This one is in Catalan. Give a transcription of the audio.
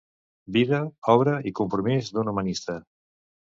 Vida, obra i compromís d'un humanista'.